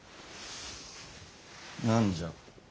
何じゃ？